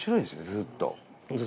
ずっと。